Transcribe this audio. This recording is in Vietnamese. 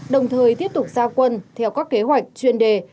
đồng thời tiếp tục giao quân theo các kế hoạch chuyên đề